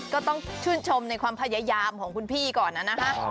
ก็ต้องชื่นชมในความพยายามของคุณพี่ก่อนนะฮะ